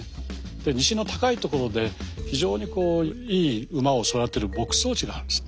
で西の高いところで非常にこういい馬を育てる牧草地があるんです。